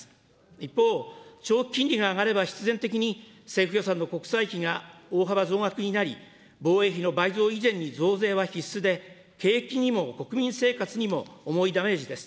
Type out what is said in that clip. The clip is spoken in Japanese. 一方、長期金利が上がれば必然的に政府予算の国債費が大幅増額になり、防衛費の倍増以前に増税は必須で、景気にも国民生活にも重いダメージです。